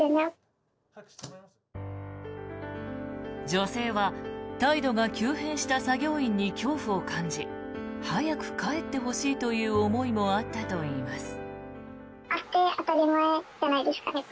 女性は態度が急変した作業員に恐怖を感じ早く帰ってほしいという思いもあったといいます。